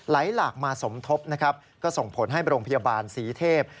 หลากมาสมทบนะครับก็ส่งผลให้โรงพยาบาลศรีเทพ